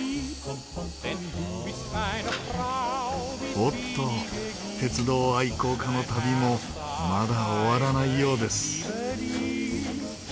おっと鉄道愛好家の旅もまだ終わらないようです。